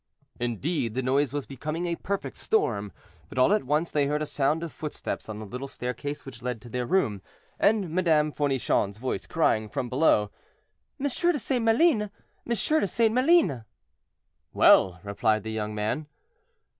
Indeed, the noise was becoming a perfect storm, but all at once they heard a sound of footsteps on the little staircase which led to their room, and Madame Fournichon's voice, crying, from below, "M. de St. Maline, M. de St. Maline!" "Well!" replied the young man.